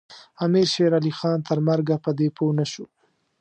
امیر شېرعلي خان تر مرګه په دې پوه نه شو.